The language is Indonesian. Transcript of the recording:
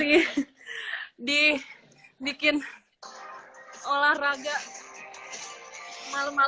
udah nih ya mas ya